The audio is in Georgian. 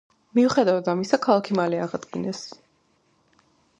მიუხედავად ამისა, ქალაქი მალე აღადგინეს.